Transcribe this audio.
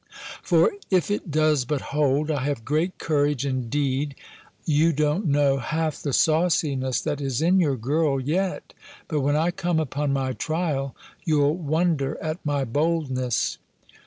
For, if it does but hold, I have great courage, indeed I you don't know half the sauciness that is in your girl yet; but when I come upon my trial, you'll wonder at my boldness."